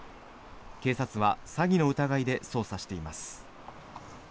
警察は詐欺の疑いで捜査しています。